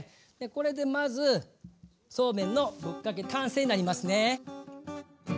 これでまずそうめんのぶっかけ完成になりますね。